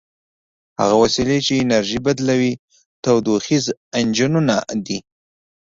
هغه وسیلې چې انرژي بدلوي تودوخیز انجنونه دي.